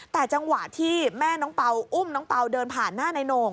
แต่จังหวะที่แม่น้องเปล่าอุ้มน้องเปล่าเดินผ่านหน้านายโหน่ง